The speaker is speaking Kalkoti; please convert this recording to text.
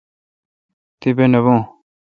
تیپہ نہ بھو۔